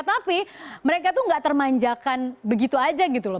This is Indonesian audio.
tapi mereka tuh gak termanjakan begitu aja gitu loh